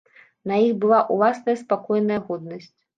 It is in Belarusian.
На іх была ўласная спакойная годнасць.